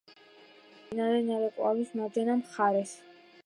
მდებარეობს მდინარე ნარეკვავის მარჯვენა მხარეს.